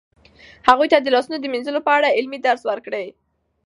هغوی ته د لاسونو د مینځلو په اړه عملي درس ورکړئ.